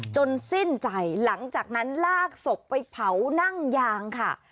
สิ้นใจหลังจากนั้นลากศพไปเผานั่งยางค่ะ